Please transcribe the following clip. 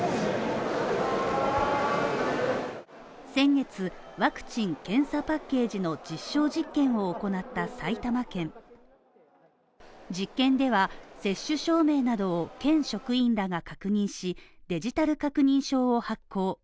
先月、ワクチン検査パッケージの実証実験を行った埼玉県実験では、接種証明などを県職員らが確認し、デジタル確認証を発行。